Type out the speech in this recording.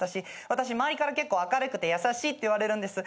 私周りから結構明るくて優しいって言われるんです。